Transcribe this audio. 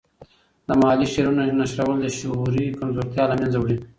د محلي شعرونو نشرول د شعوري کمزورتیا له منځه وړي.